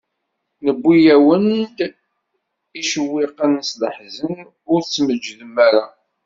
Newwi-awen-d icewwiqen n leḥzen, ur tmeǧǧdem ara.